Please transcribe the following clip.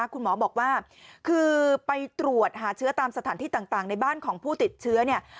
คุณหมอบอกว่าคือไปตรวจหาเชื้อตามสถานที่ต่างในบ้านของผู้ติดเชื้อเนี่ย